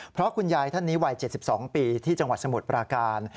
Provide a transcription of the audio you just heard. เพราะคุณยายท่านนี้วัย๗๒ปีที่จังหวัดสมุทรปราการ